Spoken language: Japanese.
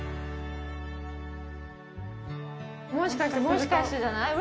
もしかして、もしかしてじゃない？